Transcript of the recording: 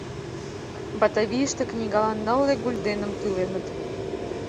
Батавийыште книгалан нылле гульденым тӱленыт.